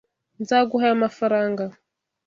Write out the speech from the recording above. Nzaguha aya mafaranga.